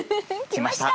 きました！